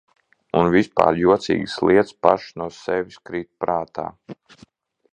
Un vispār jocīgas lietas pašas no sevis krīt prātā.